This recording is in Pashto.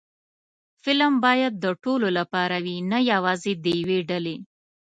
فلم باید د ټولو لپاره وي، نه یوازې د یوې ډلې